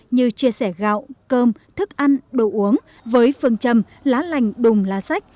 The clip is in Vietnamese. như chia sẻ gạo cơm thức ăn đồ uống với phương châm lá lành đùm lá sách